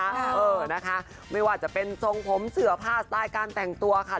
เออนะคะไม่ว่าจะเป็นทรงผมเสือผ้าสไตล์การแต่งตัวค่ะ